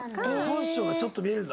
本性がちょっと見えるんだ？